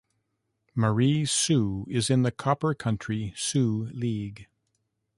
Marie Soo in the Copper Country Soo League.